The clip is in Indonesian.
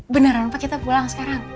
beneran pak kita pulang sekarang